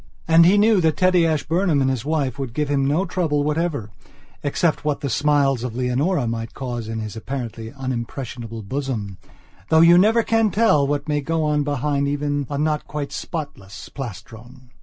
And he knew that Teddy Ashburnham and his wife would give him no trouble whatever except what the smiles of Leonora might cause in his apparently unimpressionable bosomthough you never can tell what may go on behind even a not quite spotless plastron!